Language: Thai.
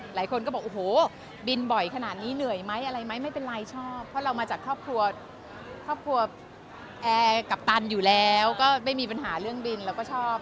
หลายคนก็บอกโอ้โหบินบ่อยขนาดนี้เหนื่อยไหมอะไรไหมไม่เป็นไรชอบเพราะเรามาจากครอบครัวครอบครัวแอร์กัปตันอยู่แล้วก็ไม่มีปัญหาเรื่องบินเราก็ชอบ